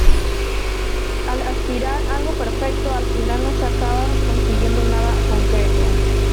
Al aspirar a algo perfecto, al final no se acaba consiguiendo nada concreto.